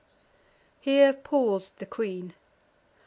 Here paus'd the queen.